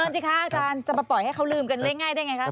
เชิญจริงค่ะจำมาปล่อยให้เขาลืมกันเล่นง่ายได้ไงครับ